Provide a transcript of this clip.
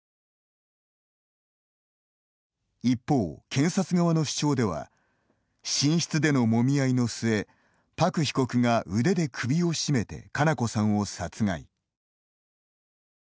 一方、検察側の主張では寝室でのもみ合いの末朴被告が腕で首を絞めて佳菜子さんを殺害。